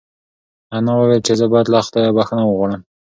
انا وویل چې زه باید له خدایه بښنه وغواړم.